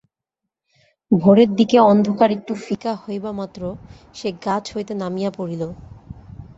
ভোরের দিকে অন্ধকার একটু ফিকা হইবামাত্র সে গাছ হইতে নামিয়া পড়িল।